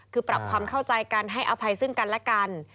คือปรับความเข้าใจกันให้อภัยซึ่งกันและกัน